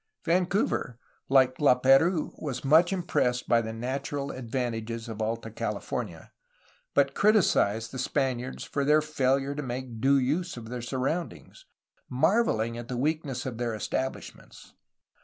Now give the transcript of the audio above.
Vancouver, like Lap^rouse, was much impressed by the natural advantages of Alta California, but criticized the Spaniards for their failure to make due use of their sur roundings, marvelling at the weakness of their establish ments.